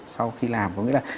sau khi làm có nghĩa là